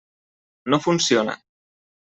No funciona.